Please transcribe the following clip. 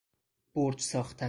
برج ساختن